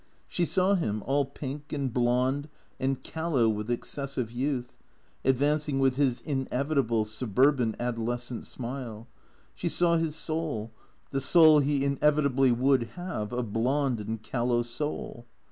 She saw him, all pink and blond and callow with excessive youth, advancing with his inevitable, suburban, adolescent smile. She saw his soul, the soul he inevitably would have, a blond and callow soul.